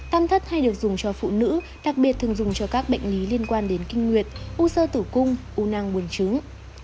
tam thất hay được dùng cho phụ nữ đặc biệt thường dùng cho các bệnh lý liên quan đến kinh nguyệt u sơ tử cung u năng buồn chứng